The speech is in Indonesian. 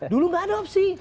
dulu nggak ada opsi